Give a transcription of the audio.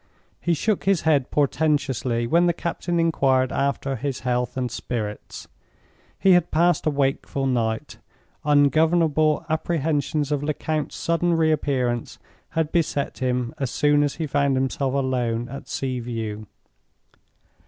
He shook his head portentously when the captain inquired after his health and spirits. He had passed a wakeful night; ungovernable apprehensions of Lecount's sudden re appearance had beset him as soon as he found himself alone at Sea View.